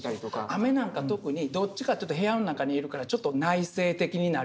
雨なんか特にどっちかというと部屋の中にいるからちょっと内省的になる。